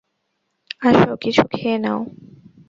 আসো, কিছু খেয়ে নাও।